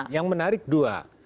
yang menarik dua